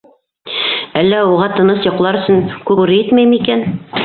Әллә уға тыныс йоҡлар өсөн Күкбүре етмәй микән?